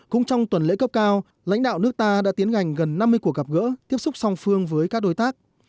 cũng trong tuần lễ cấp cao lãnh đạo nước ta đã tiến gần năm mươi cuộc gặp gỡ tiếp xúc song phương với các đối tác